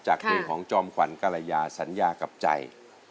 เพลงของจอมขวัญกรยาสัญญากับใจ